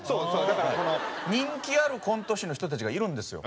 だから人気あるコント師の人たちがいるんですよ。